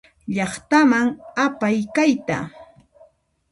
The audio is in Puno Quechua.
Llaqtaman apay kayta.